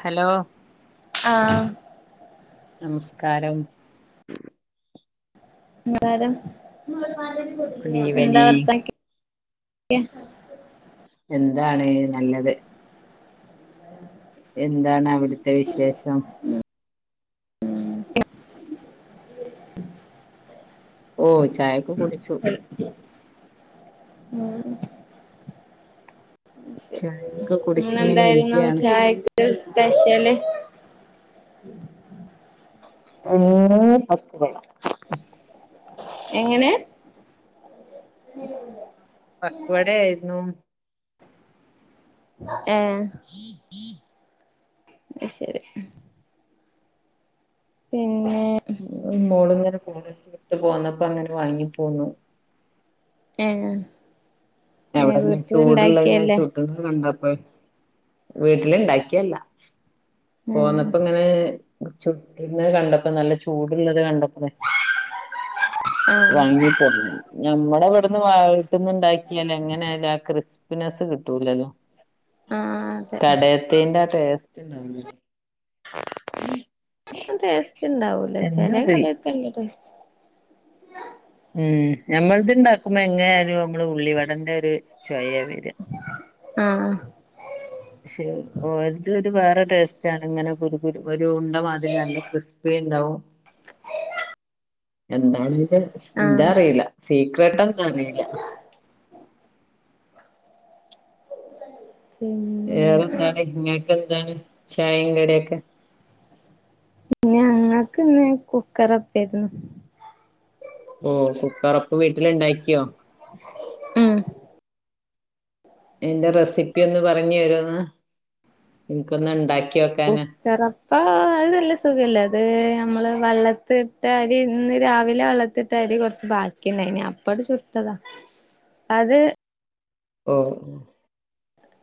Hello ആഹ് നമസ്കാരം. Good [unintelligible] എന്താ വർത്ത ഈവനിംഗ് [inaudible] എന്താണ് നല്ലത്. എന്താണ് അവിടുത്തെ വിശേഷം? [inaudible] ഓ ചായക്ക് കുടിച്ചു. ഉം ഉം ശരി ചായൊക്കെ കുടിച്ചിങ്ങനെ ഇന്നെന്തായിരുന്നു ഇരിക്കയാണ് ചായക്ക് സ്പെഷ്യല് ഇന്ന് പത്രി എങ്ങനെ [inaudible] പക്വട ആയിരുന്നു ഏ ആശരി പിന്നെ മോള് ഇങ്ങനെ [unintelligible] പോന്നപ്പോ അങ്ങനെ വാങ്ങി പോന്നു ഏ എവിടെ ചൂടുള്ളങ്ങെ ചൂടന്നെ കണ്ടപേ വീട്ടില് ഇണ്ടാക്കിയല്ല ആഹ് പോന്നപ്പോ ഇങ്ങനെ ചുട്ടന്ന് കണ്ടപ്പോ നല്ല ചൂടുള്ളത് കണ്ടപ്ലേ ആഹ് വാങ്ങി പോന്നൻ ഞമ്മളെ ഇവിടുന്ന് വ വീട്ടുന്ന് ഇന്ത്യയിലെ എങ്ങനെയാലും ആ ക്രിസ്പിനെസ് കിട്ടൂലല്ലോ ആഹ് അതെ കട തേൻ്റെ ആ ടെസ്റ്റൻഡവുലാലോ ടേസ്റ്റ് ഉണ്ടാവൂല ചെലേ കടീത്തെ നല്ല ടേ ഉം ഞമ്മളത് ഇണ്ടാക്കുമ്പോ എങ്ങനാലും നമ്മള് ഉള്ളി വടണ്ട ഒരു ചൊയേ വര ആ ശെ ഓലാത വേറെ ടേസ്റ്റ് ആണ് ഇങ്ങനെ കു ഒരു ഒരു ഉണ്ടമാതിരി നല്ല ക്രിസ്പി ണ്ടാവും. എന്താണില് ആഹ് ഇതറിയില്ല സീക്രട്ട എന്ത അറിയില്ല. ഉം വേറെ എന്താണ് ഇങ്ങൊക്കെ എന്താണ് ചായ കടിയൊകെ പിന്ന ഞങ്ങക്ക്ന്ന് കുക്കറപ്പായിരുന്നു. ഓ കുക്കറൊപ്പ വീട്ടില ഉണ്ടാക്കിയോ? ഉം ആയിൻ്റെ റെസിപ്പി ഒന്ന് പറഞ്ഞറോന്ന് ഇനിക്കൊന്ന് ഉണ്ടാക്കി വോക്കാന ചെറപ്പ അത് നല്ല സുഖല്ല അത് നമ്മള് വെള്ളത്തിട്ടരി ഇന്ന് രാവിലെ വെള്ളത്തിട്ട് തരി കുറച്ച് ബാക്കിയണ്ടായിനി അപ്പ അങ്ങനെ ചുട്ടതാ അത് ഓ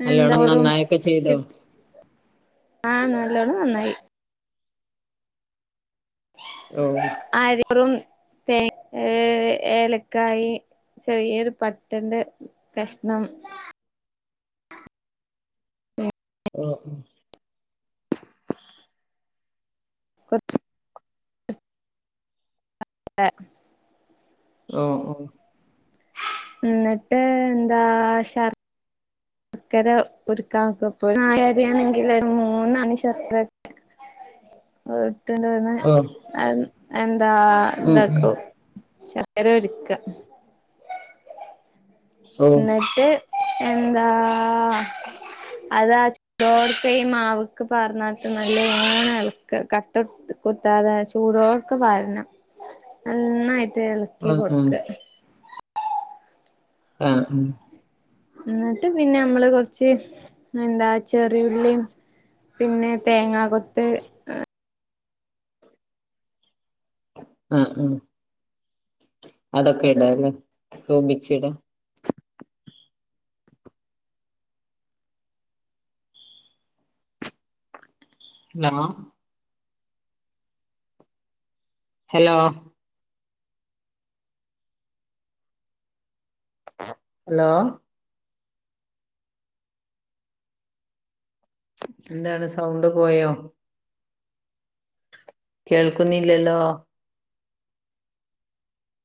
നല്ലോണം എന്താറും നന്നായിക്കെ കുറച്ച് ചെയ്തോ? ആ നല്ലോണം നന്നായി. ഓ ആ അരി [unintelligible] തേ ഏ ഏലക്കായി ചെറിയരു പട്ടൻ്റെ കഷ്ണം. ഉ ആ ഓ ഓ ന്നിട്ട് എന്താ ശർ അക്കര ഉക്കക്കപ്പോ നായരിയാണെങ്കിൽ മൂന്നണ ശർക്കെ ഉ വട്ടണ്ട് വന്ന് എന്താ ഉം ഉം ഇതാക്കും ശർക്കരർക്ക ഓ എന്നിട്ട് എന്താ അതാ തൊട്കെ ഈ മാവക്ക് പാർന്നാട്ട് നല്ലോണഏലക്കാ കട്ടട്ട് കുത്താതെ ചൂടോക്ക് പാരണം നന്നായിട്ട് ഇളക്കി ആ കൊടുക്ക. ആ ആ ഉം എന്നിട്ട് പിന്നെ നമ്മള് കൊറച്ച് എന്താ ചെറിയുള്ളീം പിന്നെ തേങ്ങാകൊത്ത് ആ ഉ അതൊക്കെ ഇടല്ലേ തോമിച്ചിട ലോ ഹലോ ഹലോ എന്താണ് സൗണ്ട് പോയോ? കേൾക്കുന്നില്ലല്ലോ